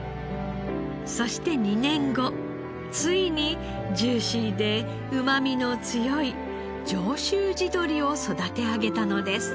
そして２年後ついにジューシーでうまみの強い上州地鶏を育て上げたのです。